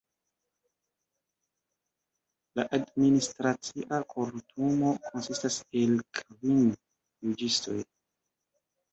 La Administracia Kortumo konsistas el kvin juĝistoj.